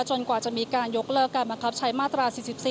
กว่าจะมีการยกเลิกการบังคับใช้มาตรา๔๔